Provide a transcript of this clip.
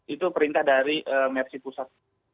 itu perintah dari mersi pusat